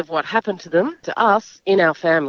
kepada kami dan kepada keluarga kami